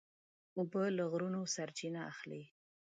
اوبه له غرونو سرچینه اخلي.